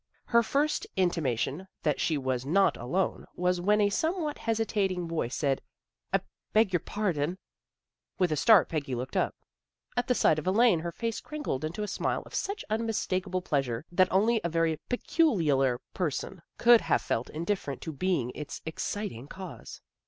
Her first intimation that she was not alone was when a somewhat hesitating voice said, " I beg your pardon." With a start Peggy looked up. At the sight of Elaine her face crinkled into a smile of such unmistakable pleasure that only a very peculiar person could have felt indifferent to being its exciting cause.